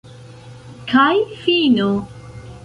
Kaj fino.